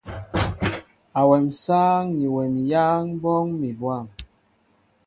Awem sááŋ ni wem yááŋ ɓóoŋ mi bwăm.